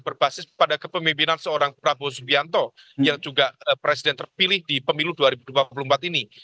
berbasis pada kepemimpinan seorang prabowo subianto yang juga presiden terpilih di pemilu dua ribu dua puluh empat ini